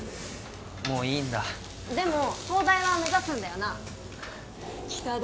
もういいんだでも東大は目指すんだよな北田